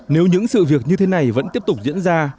nếu những sự việc như thế này vẫn tiếp tục diễn ra